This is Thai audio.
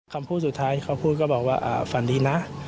คำพูดสุดท้ายเขาพูดก็บอกว่าฝันดีนะ